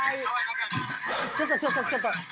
ちょっとちょっとちょっと。